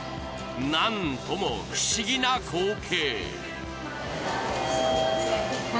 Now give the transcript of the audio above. なんとも不思議な光景。